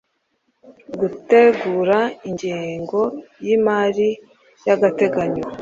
gutegura ingengo y imari y agateganyo